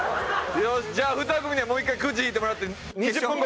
よしじゃあ２組にはもう１回クジ引いてもらって２０分後。